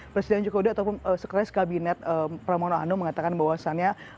presiden jokowi dodo ataupun sekalian kabinet pramono anu mengatakan bahwasannya